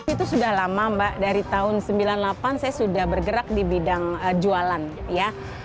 itu sudah lama mbak dari tahun sembilan puluh delapan saya sudah bergerak di bidang jualan ya